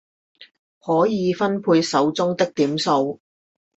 可以分配手中的點數